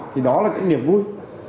thì đó là cái niềm vui